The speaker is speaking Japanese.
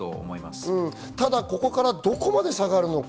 ここからどこまで下がるのか。